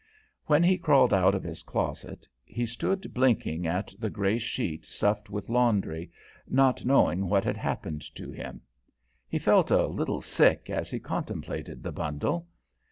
When he crawled out of his closet, he stood blinking at the grey sheet stuffed with laundry, not knowing what had happened to him. He felt a little sick as he contemplated the bundle.